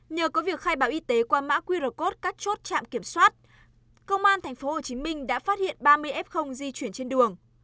nhờ có việc khai báo y tế qua mã qr code các chốt trạm kiểm soát công an tp hcm đã phát hiện ba mươi f di chuyển trên đường